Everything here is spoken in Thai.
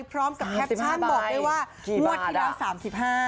พร้อมกับแคปชั่นบอกได้ว่างวดที่เรา๓๕ใบ